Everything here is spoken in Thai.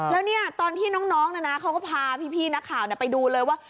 แล้วเนี่ยตอนที่น้องนะนะเขาก็พาพี่นักข่าวไปดูเลยว่า